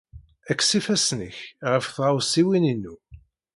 Kkes ifassen-nnek ɣef tɣawsiwin-inu!